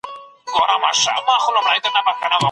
کنجوسي مه کوئ.